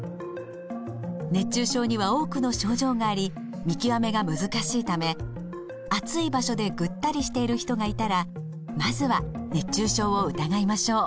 熱中症には多くの症状があり見極めが難しいため暑い場所でぐったりしている人がいたらまずは熱中症を疑いましょう。